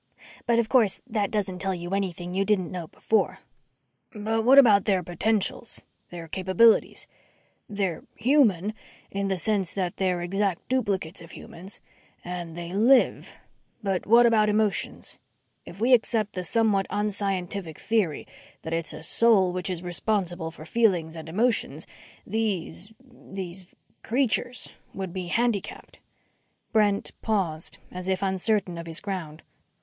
But, of course, that doesn't tell you anything you didn't know before." "But what about their potentials, their capabilities? They're human in the sense that they're exact duplicates of humans and they live, but what about emotions? If we accept the somewhat unscientific theory that it's a soul which is responsible for feelings and emotions, these ... these ... creatures would be handicapped." Brent paused as if uncertain of his ground.